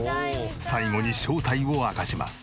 最後に正体を明かします。